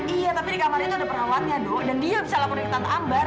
iya tapi di kamar itu ada perawatnya do dan dia bisa laporin ke tante akbar